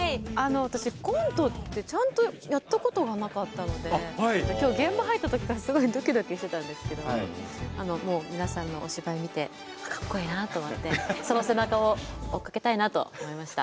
私コントってちゃんとやったことがなかったので今日現場入ったときからすごいどきどきしてたんですけどもう皆さんのお芝居見てかっこいいなと思ってその背中を追っかけたいなと思いました。